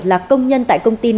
là công nhân của công an